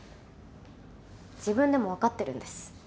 自分でもわかってるんです。